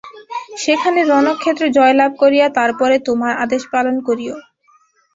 সেখানে রণক্ষেত্রে জয়লাভ করিয়া তার পরে তােমার আদেশ পালন করিও!